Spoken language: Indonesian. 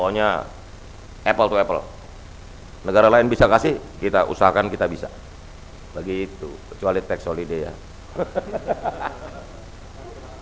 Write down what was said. mbah retour hai negara lain bisa kasih kita usahakan kita bisa begitu kecuali scenes olhmsey media hahaha